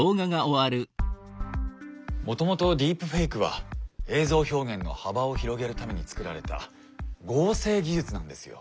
もともとディープフェイクは映像表現の幅を広げるためにつくられた合成技術なんですよ。